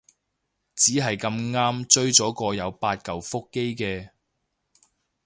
只係咁啱追咗個有八舊腹肌嘅